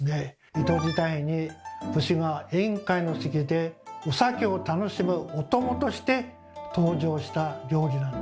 江戸時代に武士が宴会の席でお酒を楽しむお供として登場した料理なんです。